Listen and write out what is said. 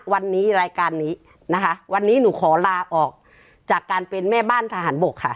วันนี้รายการนี้นะคะวันนี้หนูขอลาออกจากการเป็นแม่บ้านทหารบกค่ะ